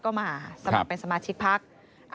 ก็มาสมัครเป็นสมาชิกพัก